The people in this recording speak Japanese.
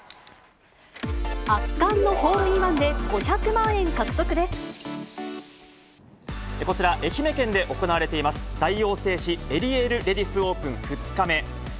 圧巻のホールインワンで、こちら、愛媛県で行われています、大王製紙エリエールレディスオープン２日目。